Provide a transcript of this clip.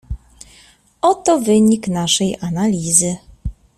"Oto wynik naszej analizy."